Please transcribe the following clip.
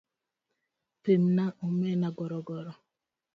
pimna omena gorogoro